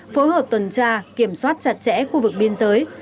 phối hợp tuần tra kiểm soát chặt chẽ khu vực biên giới